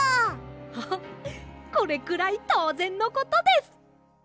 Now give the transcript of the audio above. ハハッこれくらいとうぜんのことです！